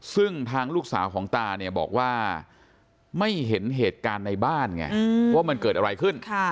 ซึ่งทางลูกสาวของตาเนี่ยบอกว่าไม่เห็นเหตุการณ์ในบ้านไงว่ามันเกิดอะไรขึ้น